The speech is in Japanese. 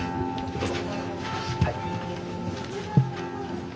どうぞ。